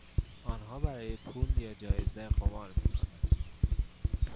آنها برای پول یا جایزه قمار میکنند.